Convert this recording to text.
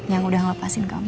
yang udah ngelepasin kamu